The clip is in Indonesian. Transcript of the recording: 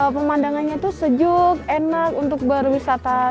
pemandangannya itu sejuk enak untuk berwisata